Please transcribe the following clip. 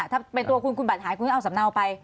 ถ้าเป็นตัวคุณคุณบัตรหายคุณก็เอาสำเนาไป